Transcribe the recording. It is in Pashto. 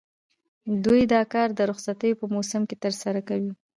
دوی دا کار د رخصتیو په موسم کې ترسره کوي